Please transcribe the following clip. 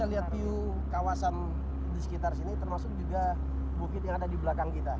kita lihat view kawasan di sekitar sini termasuk juga bukit yang ada di belakang kita